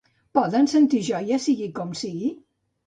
Poden sentir joia, sigui com sigui?